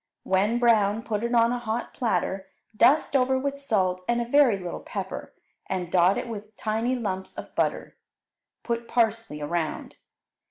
When brown, put it on a hot platter, dust over with salt and a very little pepper, and dot it with tiny lumps of butter. Put parsley around.